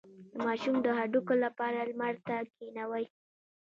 د ماشوم د هډوکو لپاره لمر ته کینوئ